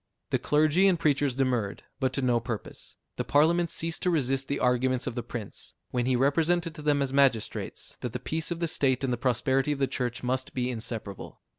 The clergy and preachers demurred, but to no purpose; the Parliament ceased to resist the arguments of the Prince, when he represented to them as magistrates, that the peace of the state and the prosperity of the Church must be inseparable.